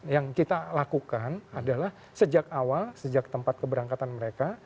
yang kita lakukan adalah sejak awal sejak tempat keberangkatan mereka